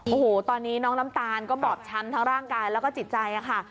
โอ้โหตอนนี้น้องน้ำตาลก็บอบช้ำทั้งร่างกายแล้วก็จิตใจค่ะ